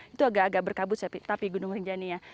itu agak agak berkabut tapi gunung rinjani ya